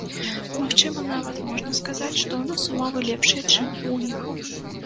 Магчыма, нават можна сказаць, што ў нас умовы лепшыя, чым у іх.